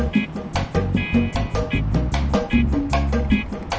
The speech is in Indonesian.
di luar negara